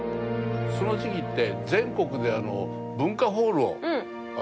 その時期って。